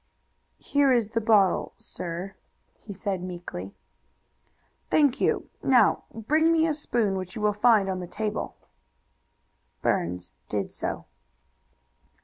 "Here is the bottle, sir," he said, meekly. "Thank you. Now bring a spoon which you will find on the table." Burns did so.